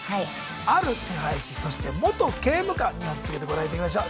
「ある手配師」そして「元刑務官」２本続けてご覧いただきましょう。